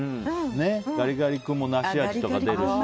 ガリガリ君も梨味とか出るし。